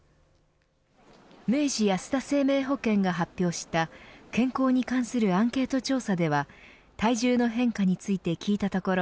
明治安田生命保険が発表した健康に関するアンケート調査では体重の変化について聞いたところ